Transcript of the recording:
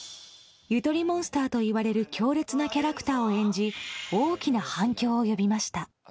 ゆとりモンスターといわれる強烈なキャラクターを演じ大きな反響を呼びました。